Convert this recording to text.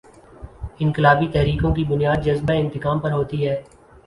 انقلابی تحریکوں کی بنیاد جذبۂ انتقام پر ہوتی ہے۔